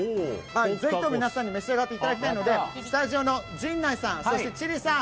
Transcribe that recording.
ぜひとも皆さんに召し上がっていただきたいのでスタジオの陣内さん、千里さん